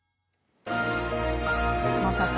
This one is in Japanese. まさか。